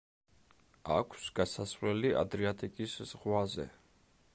აქვს გასასვლელი ადრიატიკის ზღვაზე.